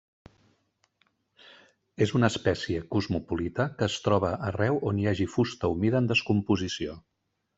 És una espècie cosmopolita que es troba arreu on hi hagi fusta humida en descomposició.